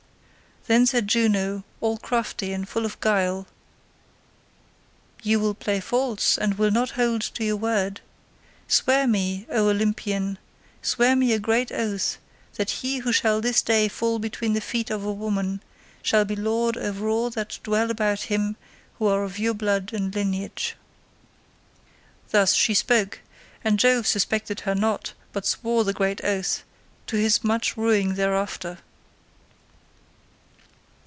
Then said Juno all crafty and full of guile, 'You will play false, and will not hold to your word. Swear me, O Olympian, swear me a great oath, that he who shall this day fall between the feet of a woman, shall be lord over all that dwell about him who are of your blood and lineage.' "Thus she spoke, and Jove suspected her not, but swore the great oath, to his much ruing thereafter.